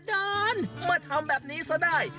แต่ดาร์นมาทำแบบนี้ซะได้